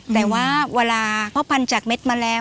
แต่ว่าเวลาพ่อพันธุ์จากเม็ดมาแล้ว